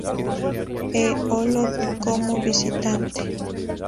E. Olot como visitante.